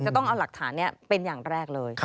ต้องเอาหลักฐานนี้เป็นอย่างแรกเลย